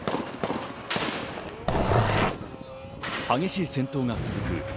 激しい戦闘が続く